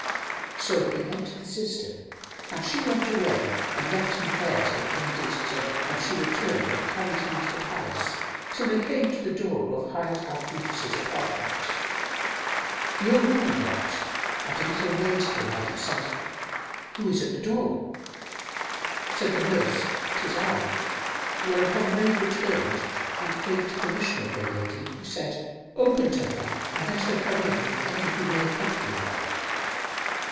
So he entered the cistern, and she went away and left him there till ended day, when she returned and carried him into the palace, till they came to the door of Hayat al Nufus's apartment. The old woman knocked and a little maid came out and said, "Who is at the door?" Said the nurse, "'Tis I," whereupon the maid returned and craved permission of her lady, who said, "Open to her and let her come in with any who may accompany her."